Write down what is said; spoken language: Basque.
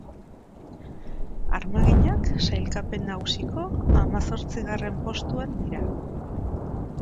Armaginak sailkapen nagusiko hamazortzigarren postuan dira.